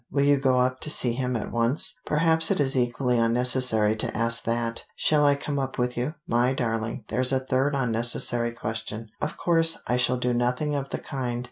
Will you go up to see him at once? Perhaps it is equally unnecessary to ask that. Shall I come up with you? My darling, there's a third unnecessary question. Of course I shall do nothing of the kind.